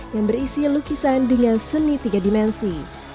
yang berisi lukisan dengan seni tiga dimensi